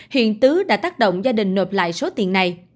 hiện tứ đã tác động gia đình nộp lại số tiền này